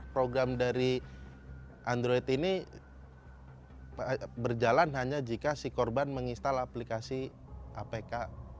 program dari android ini berjalan hanya jika si korban menginstal aplikasi apk